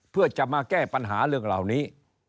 เพื่อจะมาแก้ปัญหาเรื่องเหล่านี้